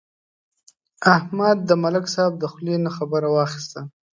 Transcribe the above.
احمد د ملک صاحب د خولې نه خبره واخیسته.